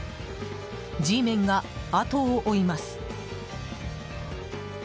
Ｇメンが後を追います。